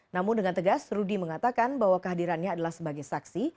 namun dengan tegas rudy mengatakan bahwa kehadirannya adalah sebagai saksi